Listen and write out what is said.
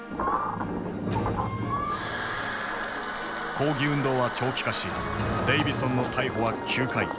抗議運動は長期化しデイヴィソンの逮捕は９回。